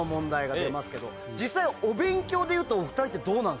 実際お勉強でいうとお２人ってどうなんですか？